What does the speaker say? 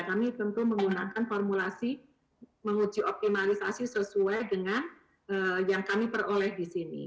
kami tentu menggunakan formulasi menguji optimalisasi sesuai dengan yang kami peroleh di sini